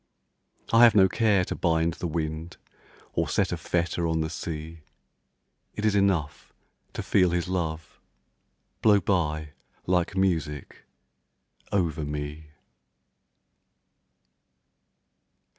I have no care to bind the wind Or set a fetter on the sea It is enough to feel his love Blow by like music over me.